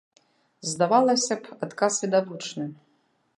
Здавалася б, адказ відавочны.